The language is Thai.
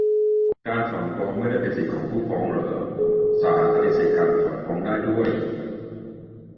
การถอนฟ้องไม่ได้เป็นสิทธิของผู้ฟ้องเหรอ ศาลปฏิเสธการถอนฟ้องได้ด้วย ?